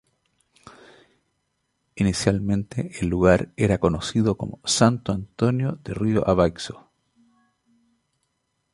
Inicialmente el lugar era conocido como Santo Antônio do Rio Abaixo.